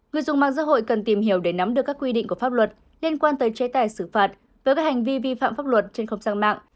người dùng mạng xã hội cần tìm hiểu để nắm được các quy định của pháp luật liên quan tới chế tài xử phạt với các hành vi vi phạm pháp luật trên không gian mạng